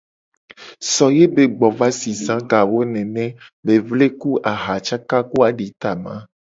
So ye be gbo va si za ga wo nene be vle ku aha caka ku aditama.